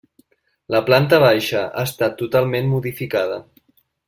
La planta baixa ha estat totalment modificada.